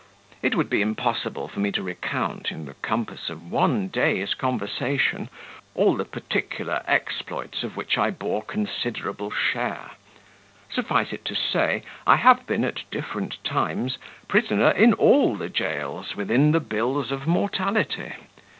It would be impossible for me to recount, in the compass of one day's conversation, all the particular exploits of which I bore considerable share. Suffice it to say, I have been, at different times, prisoner in all the jails within the bills of mortality.